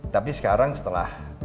tapi sekarang setelah